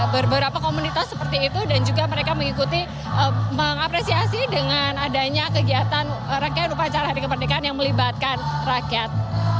beberapa komunitas seperti itu dan juga mereka mengikuti mengapresiasi dengan adanya kegiatan rangkaian upacara hari kemerdekaan yang melibatkan rakyat